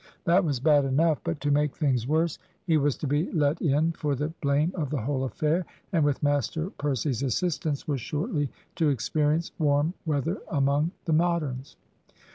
That was bad enough; but, to make things worse, he was to be let in for the blame of the whole affair, and, with Master Percy's assistance, was shortly to experience warm weather among the Moderns.